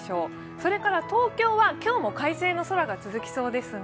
それから東京は今日も快晴の空が続きそうですが